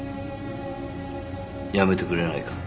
やめてくれないか？